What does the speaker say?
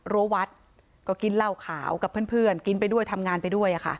รั้ววัดก็กินเหล้าขาวกับเพื่อนกินไปด้วยทำงานไปด้วยค่ะ